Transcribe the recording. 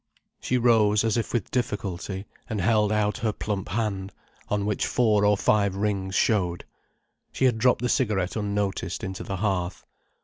She rose as if with difficulty, and held out her plump hand, on which four or five rings showed. She had dropped the cigarette unnoticed into the hearth.